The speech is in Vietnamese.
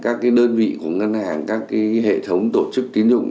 các đơn vị của ngân hàng các hệ thống tổ chức tín dụng